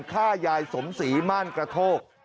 ฆ่ายายเสมมสรีมั่นกระโทรก